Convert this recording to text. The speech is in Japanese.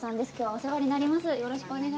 お世話になります。